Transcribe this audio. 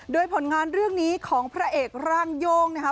โดยผลงานเรื่องนี้ของพระเอกร่างโย่งนะคะ